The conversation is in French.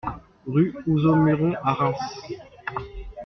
Rue Houzeau Muiron à Reims